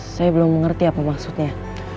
saya belum mengerti apa maksudnya